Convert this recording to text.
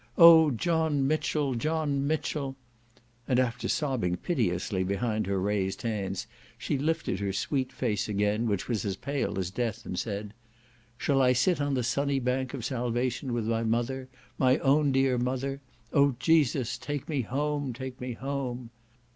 Oh John Mitchel! John Mitchel!" and after sobbing piteously behind her raised hands, she lifted her sweet face again, which was as pale as death, and said, "Shall I sit on the sunny bank of salvation with my mother? my own dear mother? oh Jesus, take me home, take me home!"